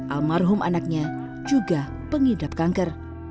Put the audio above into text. almarhum anaknya juga pengidap kanker